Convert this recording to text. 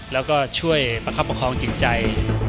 แล้วก็ช่วยประคับประคองจิตใจ